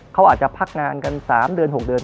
เขาอาจจะพักงานกัน๓เดือน๖เดือน